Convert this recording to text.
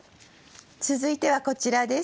続いてはこちらです。